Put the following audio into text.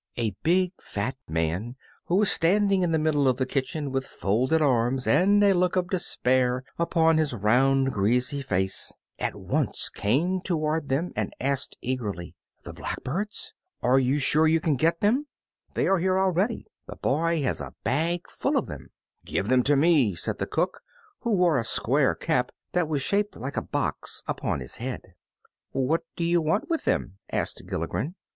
A big, fat man who was standing in the middle of the kitchen with folded arms and a look of despair upon his round, greasy face, at once came toward them and asked eagerly, "The blackbirds? are you sure you can get them?" "They are here already; the boy has a bag full of them." "Give them to me," said the cook, who wore a square cap, that was shaped like a box, upon his head. "What do you want with them?" asked Gilligren.